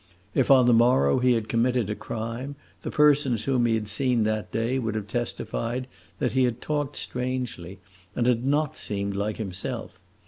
If on the morrow he had committed a crime, the persons whom he had seen that day would have testified that he had talked strangely and had not seemed like himself.